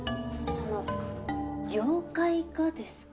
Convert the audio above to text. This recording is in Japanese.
その妖怪がですか？